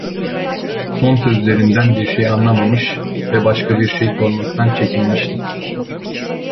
Son sözlerinden bir şey anlamamış ve başka bir şey sormaktan çekinmiştim.